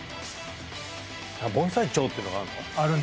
あっ盆栽町っていうのがあるの？